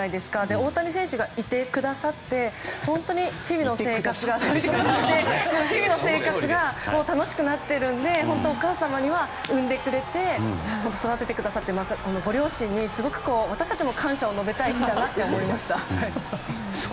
大谷選手がいてくださって日々の生活が楽しくなっているのでお母様には産んでくれて、育ててくださってご両親にすごく私たちも感謝を述べたい日だなと思いました。